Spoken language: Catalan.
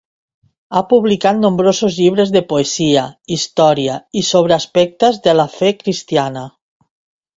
Ha publicat nombrosos llibres de poesia, història i sobre aspectes de la fe cristiana.